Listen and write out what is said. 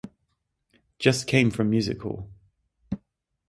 Just came from Music Hall.